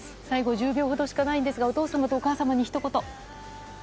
最後１０秒ほどしかないんですがお父様とお母様にひと言。